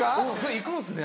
⁉行くんですね